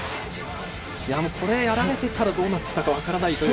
やられていたらどうなっていたか分からないという。